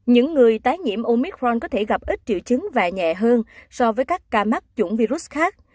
những người tái nhiễm omitron có thể gặp ít triệu chứng và nhẹ hơn so với các ca mắc chủng virus khác